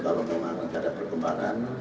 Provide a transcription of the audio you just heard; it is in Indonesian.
dan mungkin kalau memang terdapat perkembangan